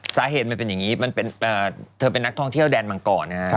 สาเหตุมันเป็นอย่างนี้เธอเป็นนักท่องเที่ยวแดนมังกรนะฮะ